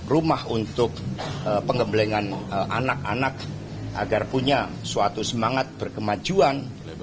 rumah untuk pengembelengan anak anak agar punya suatu semangat berkemajuan